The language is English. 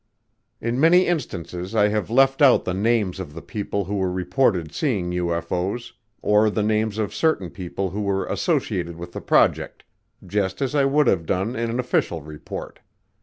In many instances I have left out the names of the people who reported seeing UFO's, or the names of certain people who were associated with the project, just as I would have done in an official report.